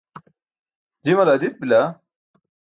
Jimale adit bila.